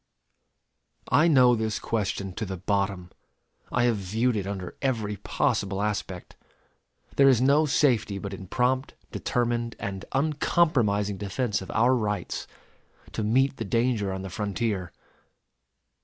I know this question to the bottom. I have viewed it under every possible aspect. There is no safety but in prompt, determined, and uncompromising defense of our rights to meet the danger on the frontier.